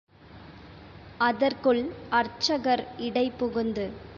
அதற்குள் அர்ச்சகர் இடைபுகுந்து.